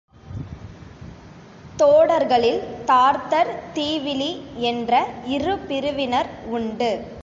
தோடர்களில் தார்த்தர், தீவலி என்ற இரு பிரிவினர் உண்டு.